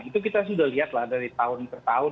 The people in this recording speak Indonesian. itu kita sudah lihat lah dari tahun ke tahun